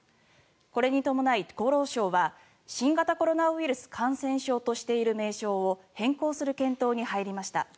これに伴い、厚労省は新型コロナウイルス感染症としている名称を変更する検討に入りました。